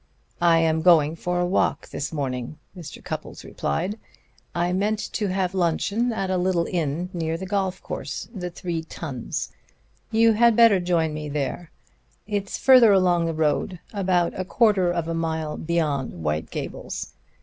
"I am going for a walk this morning," Mr. Cupples replied. "I meant to have luncheon at a little inn near the golf course, the Three Tuns. You had better join me there. It's further along the road, about a quarter of a mile beyond White Gables.